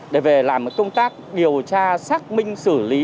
để về làm công tác điều tra xác minh xử lý